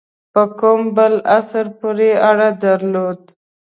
په کوم بل اصل پوري اړه درلوده.